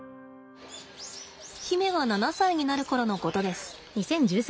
媛が７歳になる頃のことです。